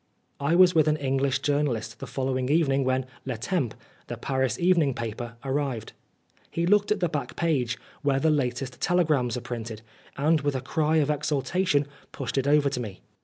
I was with an English journalist the following evening when Le Temps, the Paris evening paper, arrived. He looked at the back page, where the latest telegrams are printed, and with a cry of exultation pushed it over to me.